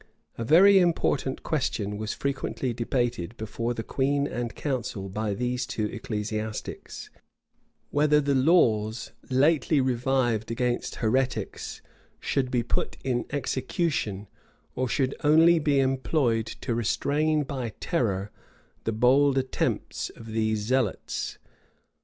A very important question was frequently debated before the queen and council by these two ecclesiastics; whether the laws lately revived against heretics should be put in execution, or should only be employed to restrain by terror the bold attempts of these zealots.